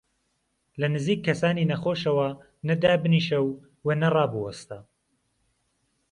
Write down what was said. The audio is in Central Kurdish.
لە نزیک کەسانی نەخۆشەوە نە دابنیشە و وە نەڕابوەستە.